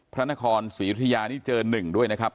พระนครศรียุธยานี่เจอ๑ด้วยนะครับ